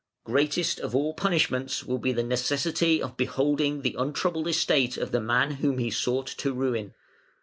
Greatest of all punishments will be the necessity of beholding the untroubled estate of the man whom he sought to ruin.